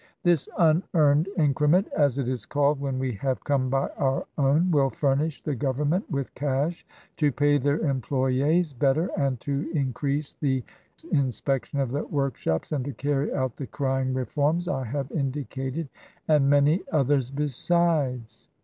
This ' unearned incre ment* as it is called, when we have come by our own, will furnish the Government with cash to pay their em ployes better and to increase the inspection of the work shops, and to carry out the crying reforms I have indi cated and many others besides.